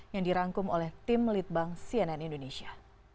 yang dirangkum oleh tim litbang cnn indonesia